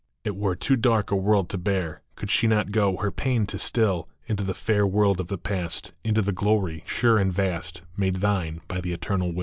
It were too dark a world to bear, Could she not go, her pain to still, Into the fair world of the Past, Into the glory, sure and vast, Made thine by the Eternal Will.